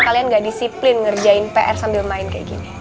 kalian gak disiplin ngerjain pr sambil main kayak gini